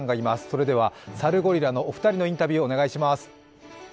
それではサルゴリラのお二人のインタビューお願いします。